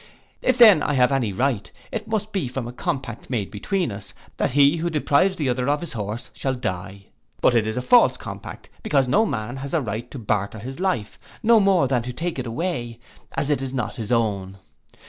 If then I have any right, it must be from a compact made between us, that he who deprives the other of his horse shall die. But this is a false compact; because no man has a right to barter his life, no more than to take it away, as it is not his own.